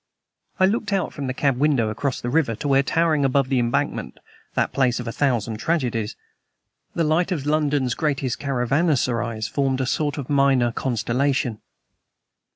I looked out from the cab window across the river to where, towering above the Embankment, that place of a thousand tragedies, the light of some of London's greatest caravanserais formed a sort of minor constellation.